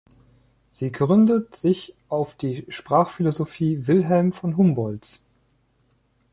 Sie gründet sich auf die Sprachphilosophie Wilhelm von Humboldts.